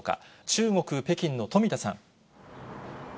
中国・北京の富田さん。